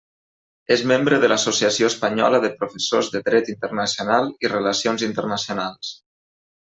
És membre de l'Associació Espanyola de Professors de Dret Internacional i Relacions Internacionals.